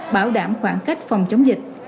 bảo đảm khoảng cách phòng chống dịch